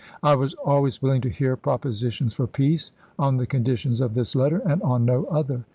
I was always willing to hear propositions for peace on the conditions of this letter, and on no other.